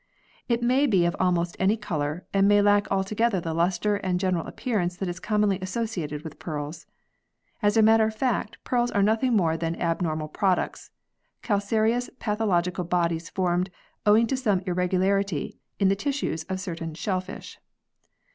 It may be of almost any colour and may lack altogether the lustre and general appearance that is commonly associated with pearls. As a matter of fact pearls are nothing more than abnormal products, calcareous pathological bodies formed, owing to some irregularity, in the tissues of certain shellfish.